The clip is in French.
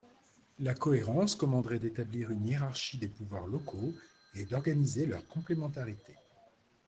La cohérence commanderait d’établir une hiérarchie des pouvoirs locaux et d’organiser leur complémentarité.